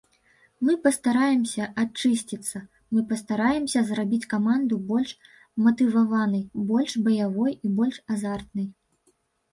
Мы пастараемся ачысціцца, мы пастараемся зрабіць каманду больш матываванай, больш баявой і больш азартнай.